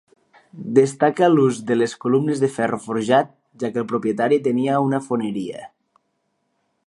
Destaca l'ús de les columnes de ferro forjat, ja que el propietari tenia una foneria.